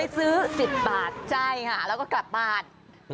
ซื้อ๑๐บาทใช่ค่ะแล้วก็กลับบ้าน